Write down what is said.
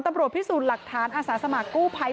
ตำรวจพิสูจน์หลักฐานอาสาสมัครกู้ภัย